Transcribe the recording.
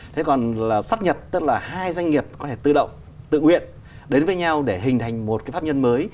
thế còn là sát nhập tức là hai doanh nghiệp có thể tự động tự nguyện đến với nhau để hình thành một cái pháp nhân mới